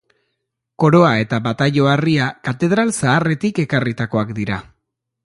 Koroa eta bataio harria katedral zaharretik ekarritakoak dira.